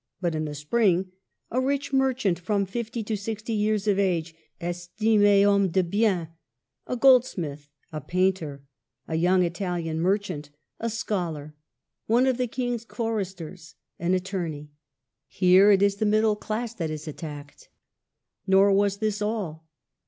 But in the spring :'\ a rich merchant, from fifty to sixty years of age, estime homme de bien^' *' a goldsmith," '* a painter," " a young Italian merchant," "■ a scholar," " one of the King's choristers," " an attorney." Here it is the middle class that is attacked. Nor was this all.